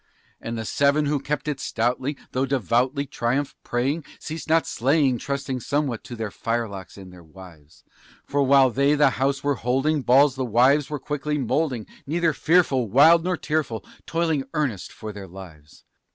And the seven who kept it stoutly, though devoutly triumph praying, Ceased not slaying, trusting somewhat to their firelocks and their wives; For while they the house were holding, balls the wives were quickly moulding Neither fearful, wild, nor tearful, toiling earnest for their lives.